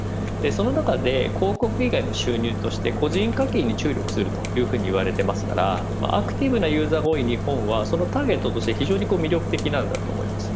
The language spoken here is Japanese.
その中で、広告以外の収入として個人課金に注力すると言われていますからアクティブなユーザーが多い日本は、そのターゲットとして非常に魅力的なんだと思います。